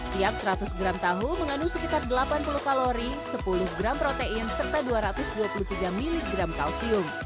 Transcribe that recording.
tiap seratus gram tahu mengandung sekitar delapan puluh kalori sepuluh gram protein serta dua ratus dua puluh tiga miligram kalsium